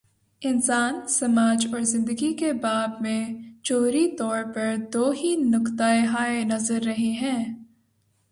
انسان، سماج اور زندگی کے باب میں، جوہری طور پر دو ہی نقطہ ہائے نظر رہے ہیں۔